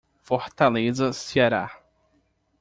Fortaleza, Ceará.